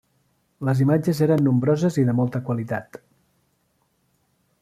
Les imatges eren nombroses i de molta qualitat.